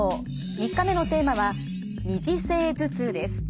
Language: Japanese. ３日目のテーマは二次性頭痛です。